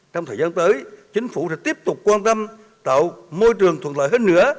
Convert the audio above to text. trong thời gian tới chính phủ sẽ tiếp tục quan tâm tạo môi trường thuận lợi hơn nữa